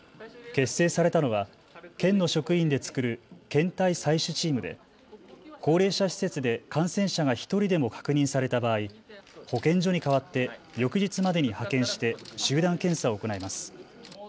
結成されたのは県の職員で作る検体採取チームで高齢者施設で感染者が１人でも確認された場合、保健所に代わって翌日までに派遣して集団検査を行います。